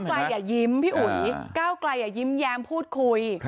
แต่ก้าวไกลอย่ายิ้มพี่อุ๋ยก้าวไกลอย่ายิ้มแยมพูดคุย